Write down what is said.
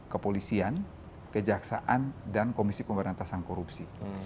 kepolisian kejaksaan dan komisi pemberantasan korupsi